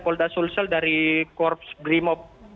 polda sulsel dari korps brimob